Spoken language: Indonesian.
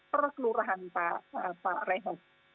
perkelurahan pak rehob